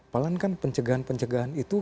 paling kan pencegahan pencegahan itu